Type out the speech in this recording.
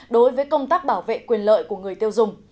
đối với công tác bảo vệ quyền lợi của người tiêu dùng